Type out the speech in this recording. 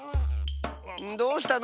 どうしたの？